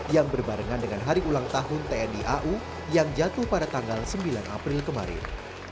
yang berbarengan dengan hari ulang tahun tni au yang jatuh pada tanggal sembilan april kemarin